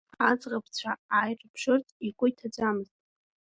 Аӡӷабцәа ааирԥшырц игәы иҭаӡамызт.